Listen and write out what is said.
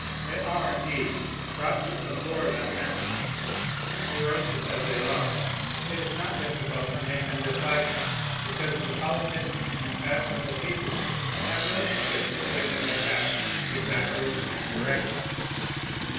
They are, indeed, brought to abhor that massacre. Ferocious as they are, it is not difficult to make them dislike it, because the politicians and fashionable teachers have no interest in giving their passions exactly the same direction.